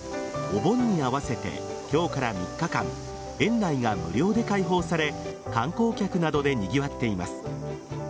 お盆に合わせて今日から３日間園内が無料で開放され観光客などでにぎわっています。